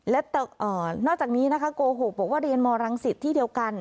และนอกจากนี้นะคะโกหกบอกว่าเรียนมรังสิตที่เดียวกัน